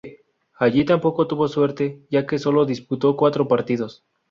Allí tampoco tuvo suerte, ya que solo disputó cuatro partidos.